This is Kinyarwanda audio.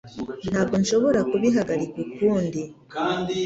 Ntabwo nshobora kubihagarika ukundi.